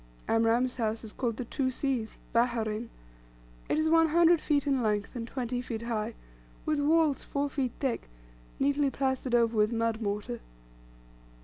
Amram's house is called the "Two Seas" "Baherein." It is one hundred feet in length, and twenty feet high, with walls four feet thick, neatly plastered over with mud mortar.